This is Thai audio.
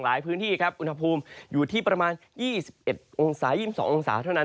หลายพื้นที่อุณหภูมิอยู่ที่ประมาณ๒๑๒๒องศาเท่านั้น